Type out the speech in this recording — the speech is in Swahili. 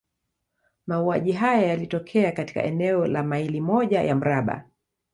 Mauaji haya yalitokea katika eneo la maili moja ya mraba.